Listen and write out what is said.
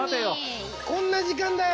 こんな時間だよ。